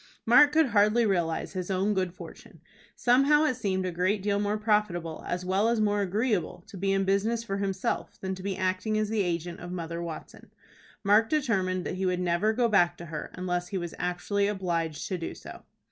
Mark could hardly realize his own good fortune. Somehow it seemed a great deal more profitable as well as more agreeable to be in business for himself, than to be acting as the agent of Mother Watson. Mark determined that he would never go back to her unless he was actually obliged to do so.